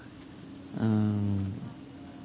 うん。